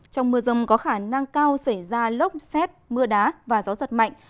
trong mưa rông có khả năng cao xảy ra lốc xét mưa đá và gió giật mạnh